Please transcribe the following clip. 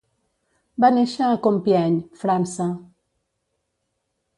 Va néixer a Compiègne, França.